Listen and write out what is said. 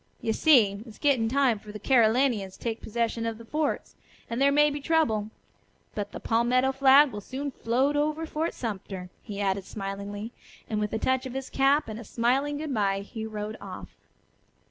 You see, it's getting time for Carolinians to take possession of the forts, and there may be trouble. But the palmetto flag will soon float over Fort Sumter," he added smilingly, and with a touch of his cap and a smiling good bye he rode off.